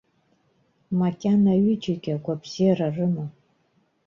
Макьана аҩыџьагьы агәабзиара рымам.